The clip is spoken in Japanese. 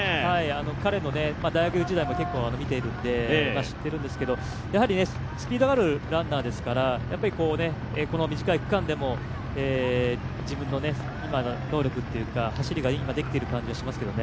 彼の大学時代も見ているので知っているんですけれども、スピードあるランナーですからスピードがあるランナーですから短い区間でも自分の今の能力というか、走りができている感じがしますけどね。